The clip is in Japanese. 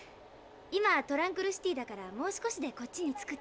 「今トランクルシティーだからもう少しでこっちに着く」